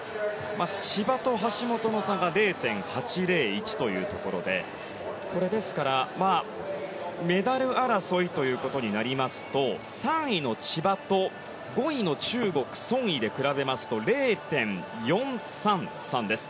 千葉と橋本の差が０．８０１ということでですから、メダル争いということになりますと３位の千葉と５位の中国ソン・イで比べますと０．４３３です。